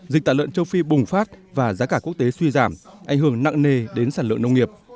dịch tả lợn châu phi bùng phát và giá cả quốc tế suy giảm ảnh hưởng nặng nề đến sản lượng nông nghiệp